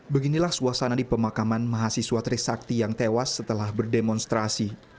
beginilah suasana di pemakaman mahasiswa trisakti yang tewas setelah berdemonstrasi